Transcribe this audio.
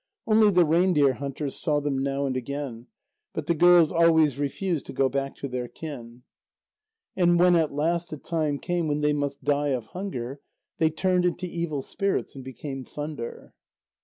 Only the reindeer hunters saw them now and again, but the girls always refused to go back to their kin. And when at last the time came when they must die of hunger, they turned into evil spirits, and became thunder.